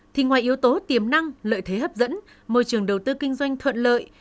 thì ngoài yếu tố tiềm năng lợi thế hấp dẫn môi trường đầu tư kinh doanh thuận lợi